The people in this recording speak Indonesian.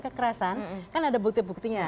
kekerasan kan ada bukti buktinya